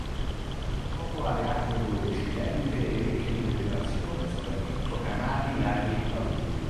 Popola le acque dolci lente e ricche di vegetazione, soprattutto canali, laghi e paludi.